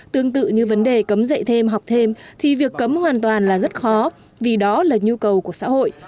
tương tự như vấn đề cấm dạy thêm học thêm thì việc cấm hoàn toàn là rất khó vì đó là nhu cầu của xã hội